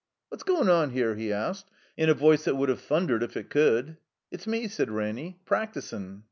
"What's goin' on here?" he asked, in a voice that would have thundered if it could. "It's me," said Ranny. "Practisin'."